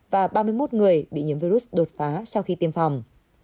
và ba mươi một người bị nhiễm virus đột phá sau khi tiêm phòng